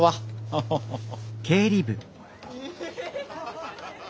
ハハハハ。